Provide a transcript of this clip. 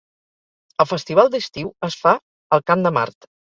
El festival d'estiu es fa al Camp de Mart.